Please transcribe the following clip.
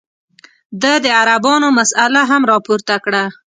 ده د عربانو مسله هم راپورته کړه.